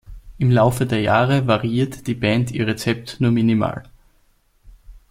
Im Laufe der Jahre variierte die Band ihr Rezept nur minimal.